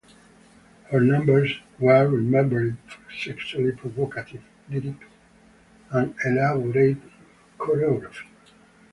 Her numbers were remembered for sexually provocative lyrics and elaborate choreography.